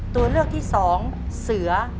ตัวเลือกที่สองเสือ